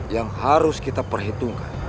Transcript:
yang harus kita perhitungkan